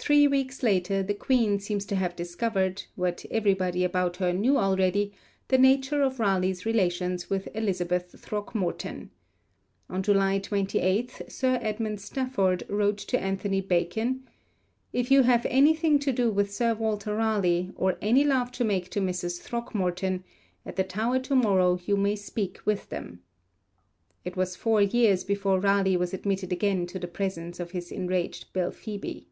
Three weeks later the Queen seems to have discovered, what everyone about her knew already, the nature of Raleigh's relations with Elizabeth Throckmorton. On July 28 Sir Edward Stafford wrote to Anthony Bacon: 'If you have anything to do with Sir Walter Raleigh, or any love to make to Mrs. Throckmorton, at the Tower to morrow you may speak with them.' It was four years before Raleigh was admitted again to the presence of his enraged Belphoebe.